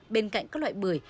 bên cạnh các loại bưởi